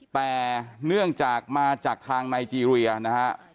แต่เนื่องจากมาจากทางไนจีเรียนะครับ